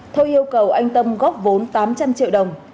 thôi yêu cầu anh tâm góp vốn tám trăm linh triệu đồng